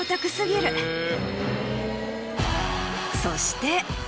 そして。